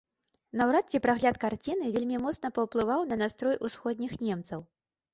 Наўрад ці прагляд карціны вельмі моцна паўплываў на настрой усходніх немцаў.